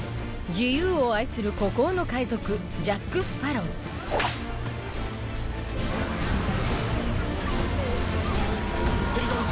自由を愛する孤高の海賊ジャック・スパロウエリザベス！